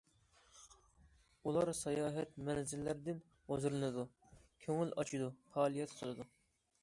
ئۇلار ساياھەت مەنزىرىلەردىن ھۇزۇرلىنىدۇ، كۆڭۈل ئاچىدۇ، پائالىيەت قىلىدۇ.